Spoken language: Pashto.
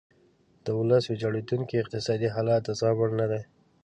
د ولس ویجاړیدونکی اقتصادي حالت د زغم وړ نه دی.